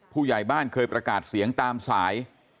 ผู้ใหญ่บ้านเคยประกาศเสียงตามสาย